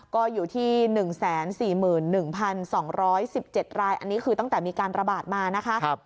ก็อยู่ที่๑๔๑๒๑๗รายอันนี้คือตั้งแต่มีการระบาดมานะคะ